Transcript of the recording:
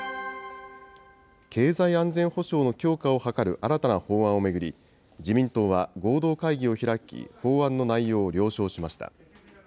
経済安全保障の強化を図る新たな法案を巡り、自民党は合同会議を開き、法案の内容を了承しました。